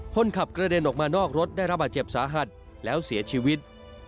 คนขับกระเด็นออกมานอกรถได้รับบาดเจ็บสาหัสแล้วเสียชีวิต